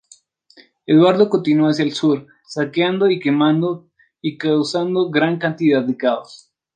Eduardo continuó hacia el sur, saqueando y quemando y causando gran cantidad de caos.